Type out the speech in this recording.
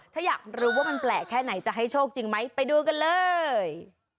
ถ้าอยากรู้ว่ามันแปลกแค่ไหนจะให้โชคจริงไหมไปดูกันเลย